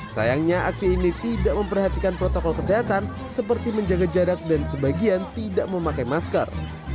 sayangnya aksi ini tidak memperhatikan protokol kesehatan seperti menjaga jarak dan sebagian tidak memakai masker